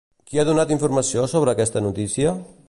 Qui ha donat informació sobre aquesta notícia?